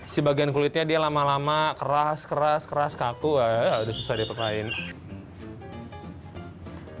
si bagian kulitnya dia lama lama keras keras keras kaku udah susah diperkain